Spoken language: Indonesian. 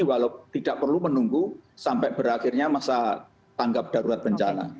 walau tidak perlu menunggu sampai berakhirnya masa tanggap darurat bencana